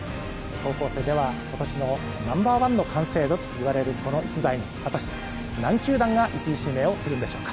高校生では今年のナンバーワン完成度といわれるこの逸材に果たして何球団が１位指名をするのでしょうか。